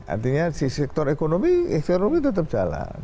artinya di sektor ekonomi tetap jalan